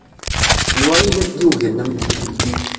Anwa ay d amtiweg-nnem?